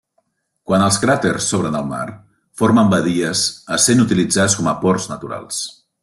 Quan els cràters s'obren al mar, formen badies essent utilitzats com a ports naturals.